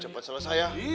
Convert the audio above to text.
sampai cepat selesai ya